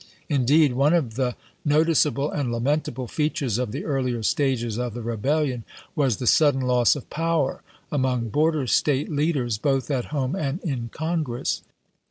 Indeed, one of the noticeable and lamentable features of the earlier stages of the Rebellion was the sudden loss of power among border State leaders, both at home and in Congress.